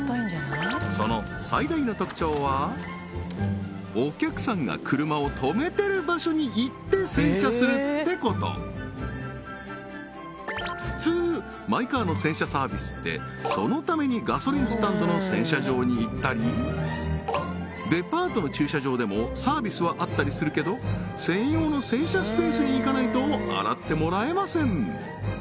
その最大の特徴はお客さんが車をとめてる場所に行って洗車するってこと普通マイカーの洗車サービスってそのためにガソリンスタンドの洗車場に行ったりデパートの駐車場でもサービスはあったりするけど専用の洗車スペースに行かないと洗ってもらえません